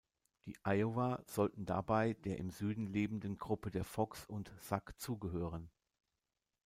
Die Iowa sollten dabei der im Süden lebenden Gruppe der Fox und Sac zugehören.